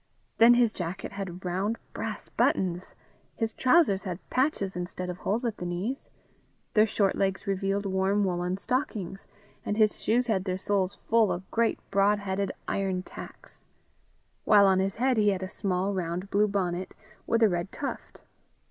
Then his jacket had round brass buttons! his trousers had patches instead of holes at the knees! their short legs revealed warm woollen stockings! and his shoes had their soles full of great broad headed iron tacks! while on his head he had a small round blue bonnet with a red tuft!